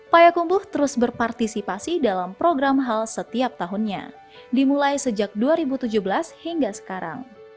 payakumbuh terus berpartisipasi dalam program hal setiap tahunnya dimulai sejak dua ribu tujuh belas hingga sekarang